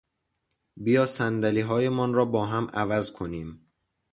بیا صندلیهایمان را با هم عوض کنیم!